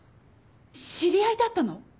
知り合いだったの⁉